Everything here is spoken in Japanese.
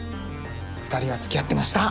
２人はつきあってました。